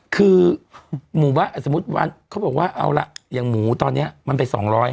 คือหมู่บ้านสมมุติว่าเขาบอกว่าเอาละอย่างหมูตอนนี้มันไป๒๐๐